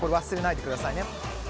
忘れないでくださいね。